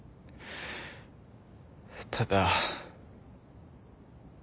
ただ。